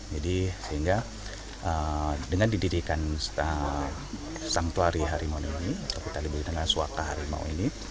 jadi sehingga dengan didirikan sanktuari harimau ini kita diberi dengan suaka harimau ini